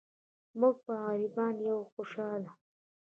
مونږ به غریبان یو خو خوشحاله.